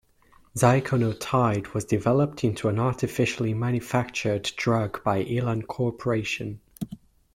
Ziconotide was developed into an artificially manufactured drug by Elan Corporation.